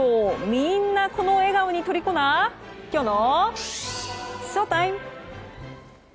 みんな、この笑顔に虜なきょうのＳＨＯＴＩＭＥ。